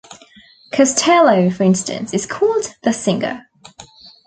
Costello, for instance, is called the singer.